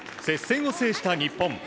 接戦を制した日本。